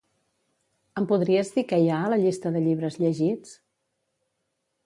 Em podries dir què hi ha a la llista de llibres llegits?